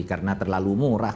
karena terlalu murah